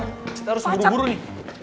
kita harus buru buru nih